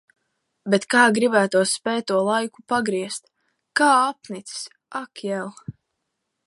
Bet kā gribētos spēt to laiku pagriezt! Kā apnicis! Ak jel.